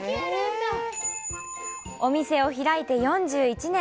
お店を開いて４１年。